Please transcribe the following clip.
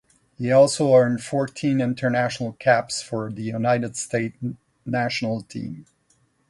He also earned fourteen international caps for the United States national team.